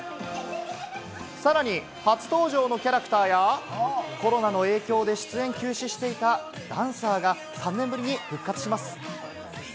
さらに初登場のキャラクターや、コロナの影響で出演休止していたダンサーが３年ぶりに復活します。